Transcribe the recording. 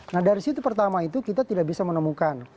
nah dari situ pertama itu kita tidak bisa menemukan